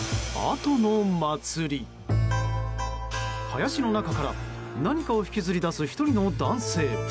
林の中から何かを引きずり出す１人の男性。